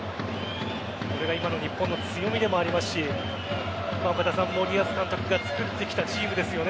これが今の日本の強みでもありますし岡田さん、森保監督が作ってきたチームですよね